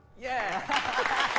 アハハハハ！